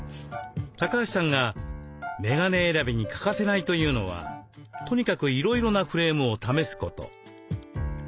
橋さんがメガネ選びに欠かせないというのはとにかくいろいろなフレームを試すこと。